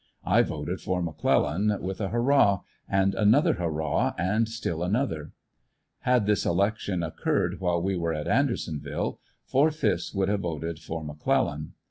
I voted for McClellan with a hurrah, and another hurrah, and still another Had this election occurred while we were at Andersonville, four fifths would have voted for McClel lan.